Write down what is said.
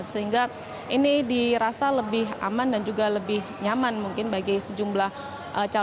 sehingga ini dirasa lebih aman dan juga lebih nyaman mungkin bagi sejumlah calon